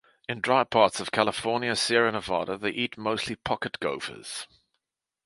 In dry parts of California's Sierra Nevada they eat mostly pocket gophers.